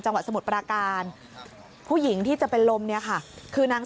จังหวัดสมุทรปราการผู้หญิงที่จะเป็นลมคือนาง